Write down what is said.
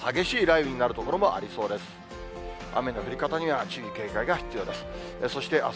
雨の降り方には注意、警戒が必要です。